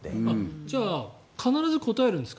じゃあ必ず答えるんですか？